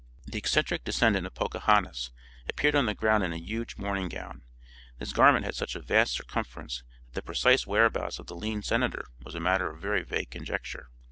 The eccentric descendant of Pocahontas appeared on the ground in a huge morning gown. This garment had such a vast circumference that the precise whereabouts of the lean senator was a matter of very vague conjecture.